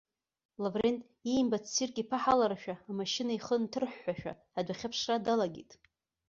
Лаврент иимбацыз ссирк иԥаҳаларашәа, амашьына ихы нҭырҳәҳәашәа адәахьы аԥшра далагеит.